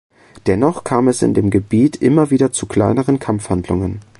Dennoch kam es in dem Gebiet immer wieder zu kleineren Kampfhandlungen.